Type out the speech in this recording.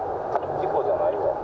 事故じゃないよね。